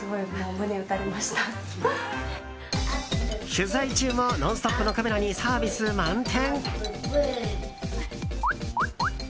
取材中も「ノンストップ！」のカメラにサービス満点。